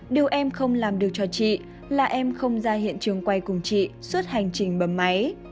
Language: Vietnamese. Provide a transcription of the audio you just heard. điều em không làm được cho chị là em không ra hiện trường quay cùng chị suốt hành trình bầm máy